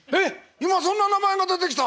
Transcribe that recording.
今そんな名前が出てきた！